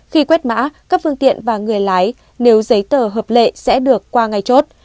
khi quét mã các phương tiện và người lái nếu giấy tờ hợp lệ sẽ được qua ngay chốt